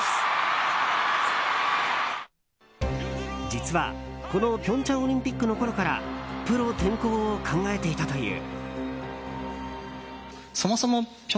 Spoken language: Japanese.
実はこの平昌オリンピックのころからプロ転向を考えていたという。